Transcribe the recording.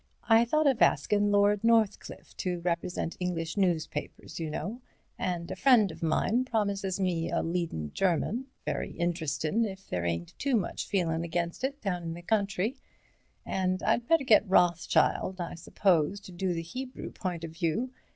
I thought of askin' Lord Northcliffe to represent English newspapers, you know, and a friend of mine promises me a leadin' German—very interestin' if there ain't too much feelin' against it down in the country, and I'd better get Rothschild, I suppose, to do the Hebrew point of view.